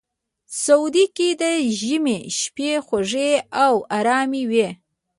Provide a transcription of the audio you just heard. سعودي کې د ژمي شپې خوږې او ارامې وي.